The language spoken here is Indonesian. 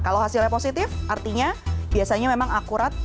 kalau hasilnya positif artinya biasanya memang akurat